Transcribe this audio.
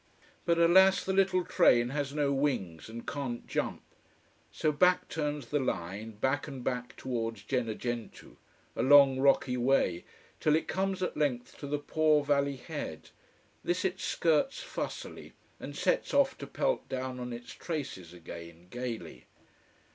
But alas, the little train has no wings, and can't jump. So back turns the line, back and back towards Gennargentu, a long rocky way, till it comes at length to the poor valley head. This it skirts fussily, and sets off to pelt down on its traces again, gaily.